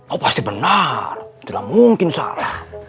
oh pasti benar tidak mungkin salah